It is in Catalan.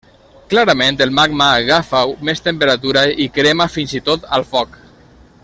Clarament el magma agafa més temperatura i crema fins i tot al foc.